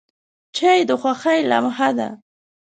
چای د خوښۍ لمحه ده.